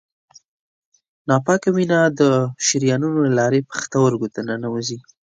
ناپاکه وینه د شریانونو له لارې پښتورګو ته ننوزي.